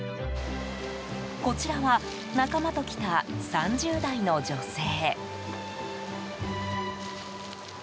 こちらは仲間と来た３０代の女性。